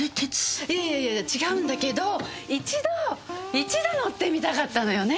いやいやいやいや違うんだけど一度一度乗ってみたかったのよね。